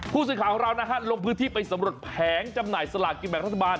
ผู้สื่อข่าวของเรานะฮะลงพื้นที่ไปสำรวจแผงจำหน่ายสลากกินแบ่งรัฐบาล